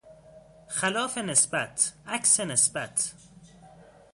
خلاف نسبت، عکس نسبت